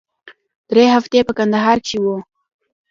درې هفتې په کندهار کښې وو.